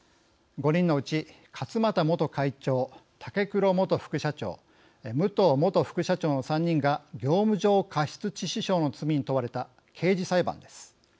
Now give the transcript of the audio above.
５人のうち勝俣元会長、武黒元副社長武藤元副社長の３人が業務上過失致死傷の罪に問われた刑事裁判です。